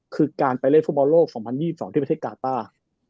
คือการไปเล่นฟุตบอลโลก๒๐๒๒ที่ประเทศกาต้า